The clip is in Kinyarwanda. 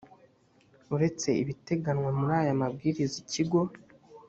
uretse ibiteganywa muri aya mabwiriza ikigo